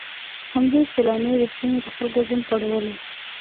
همدې سيلانۍ د سيمې د خلکو ژوند غوړولی.